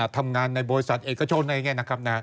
ทำงานในบริษัทเอกโชศไงนะครับ